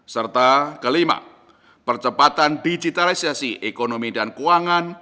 serta kelima percepatan digitalisasi ekonomi dan keuangan